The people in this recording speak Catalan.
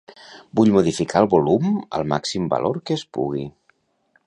Vull modificar el volum al màxim valor que es pugui.